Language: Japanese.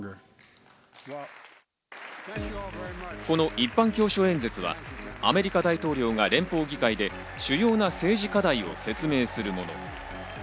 この一般教書演説はアメリカ大統領が連邦議会で主要な政治課題を説明するもの。